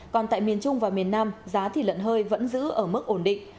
còn tại miền trung và miền nam giá thịt lợn hơi vẫn giữ ở mức ổn định